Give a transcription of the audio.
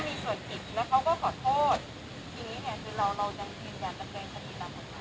ธรร้ายลายเราจำเป็นอย่างรันเครกฤตละหมดเนี่ย